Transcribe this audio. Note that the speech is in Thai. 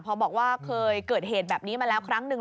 พอบอกว่าเคยเกิดเหตุแบบนี้มาแล้วครั้งหนึ่ง